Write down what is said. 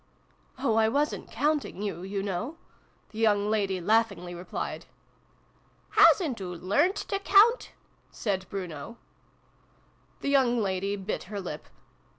Oh, I wasn't counting you, you know !" the young lady laughingly replied. " Hasn't oo learnt to count ?" said Bruno. The young lady bit her lip.